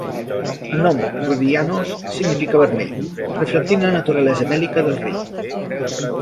El nom "Rudianos" significa vermell, reflectint la naturalesa bèl·lica del rei.